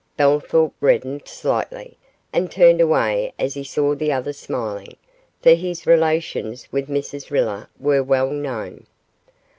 Bellthorp reddened slightly, and turned away as he saw the other smiling, for his relations with Mrs Riller were well known.